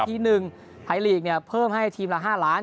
ที๑ไทยลีกเนี่ยเพิ่มให้ทีมละ๕ล้าน